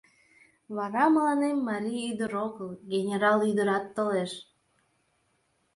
Вара мыланем марий ӱдыр огыл, генерал ӱдырат толеш.